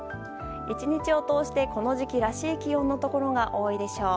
１日を通して、この時期らしい気温のところが多いでしょう。